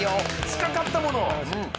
近かったもの！